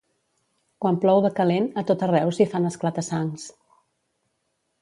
Quan plou de calent, a tot arreu s'hi fan esclata-sangs.